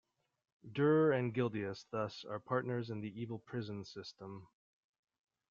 Durer and Guildias thus are partners in the evil prison system.